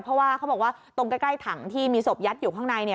เพราะว่าเขาบอกว่าตรงใกล้ถังที่มีศพยัดอยู่ข้างใน